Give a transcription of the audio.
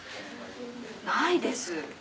ないです。